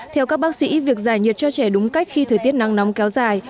theo các bác sĩ việc giải nhiệt cho trẻ đúng cách khi thời tiết nắng nóng kéo dài